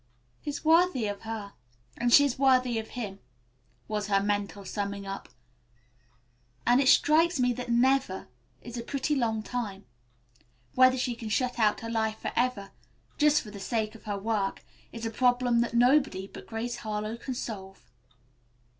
"He's worthy of her, and she's worthy of him," was her mental summing up, "and it strikes me that 'never' is a pretty long time. Whether she can shut love out of her life forever, just for the sake of her work, is a problem that nobody but Grace Harlowe can solve."